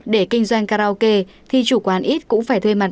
để kinh doanh karaoke thì chủ quán ít cũng phải thuê mặt